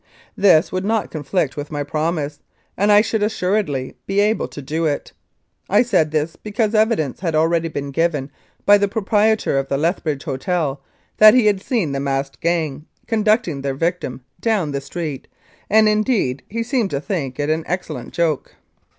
This would not conflict with my promise, and I should assuredly be able to do it. I said this because evidence had already been given by the proprietor of the Lethbridge Hotel that he had seen the masked gang conducting their victim down the street and, indeed, he seemed to think it an excellent joke.